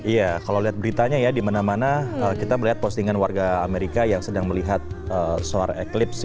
iya kalau lihat beritanya ya di mana mana kita melihat postingan warga amerika yang sedang melihat suara eklips